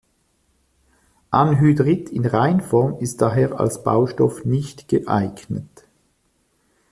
Anhydrit in Reinform ist daher als Baustoff nicht geeignet.